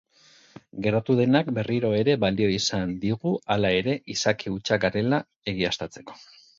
Gertatu denak berriro ere balio izan digu hala ere izaki hutsak garela egiaztatzeko.